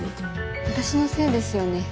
私のせいですよね。